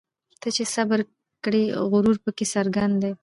ته چي صبر کړې غرور پکښي څرګند دی